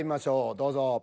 どうぞ。